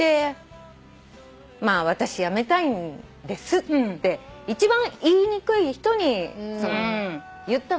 私辞めたいんですって一番言いにくい人に言ったの。